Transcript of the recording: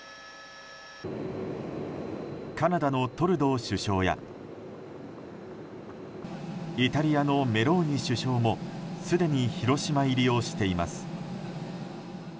カナダのトルドー首相やイタリアのメローニ首相もすでに広島入りをしています。